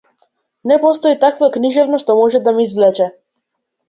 Не постои таква книжевност што може да ме извлече.